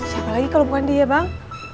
siapa lagi kalau bukan dia bang